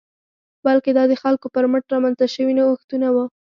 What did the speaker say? بلکې دا د خلکو پر مټ رامنځته شوي نوښتونه وو